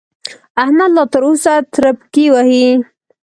احمد لا تر اوسه ترپکې وهي.